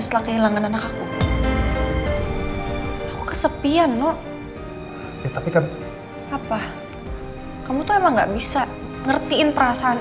setelah kehilangan anakku aku kesepian no tapi kamu apa kamu tuh emang nggak bisa ngertiin perasaan